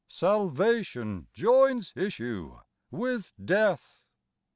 . Salvation joins issue with death